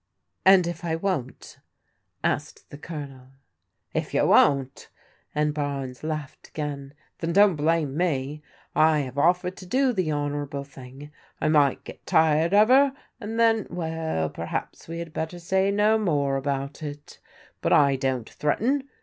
And if I won't ?" asked the G>lonel. If you won't," smd Barnes laughed again, "then don't blame me. I have o£Fered to do the honourable thing. I might get tired of her, and then, — ^well, perhaps we had better say no more about it But I don't threaten.